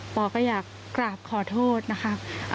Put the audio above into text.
ปอก็อยากกราบขอโทษนะคะ